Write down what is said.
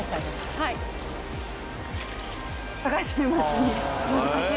はい。